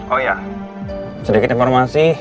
oh iya sedikit informasi